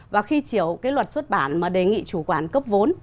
và khi chiều cái luật xuất bản mà đề nghị chủ quản cấp vốn